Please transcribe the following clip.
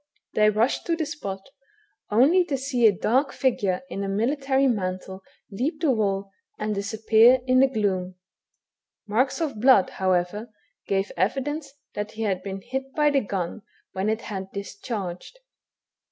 They rushed to the spot, only to see a dark figure in a military mantle leap the wall, and disappear in the gloom. Marks of blood, however, gave evidence that he had been hit by the gun when it had discharged.